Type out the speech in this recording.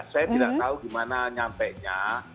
saya tidak tahu gimana nyampenya